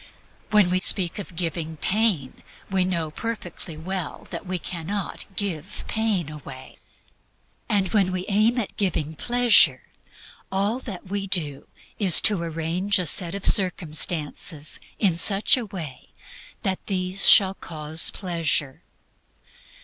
When we speak of "giving" pain, we know perfectly well we can not give pain away. And when we aim at "giving" pleasure, all that we do is to arrange a set of circumstances in such a way as that these shall cause pleasure.